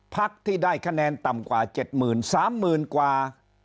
ภักดิ์ที่ได้คะแนนต่ำกว่า๗๐๐๐๐๓๐๐๐๐กว่า